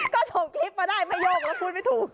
ก็ส่งคลิปมาได้ไม่โยกแล้วพูดไม่ถูก